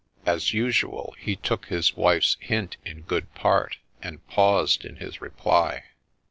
As usual, he took his wife's hint in good part, and ' paused in his reply.'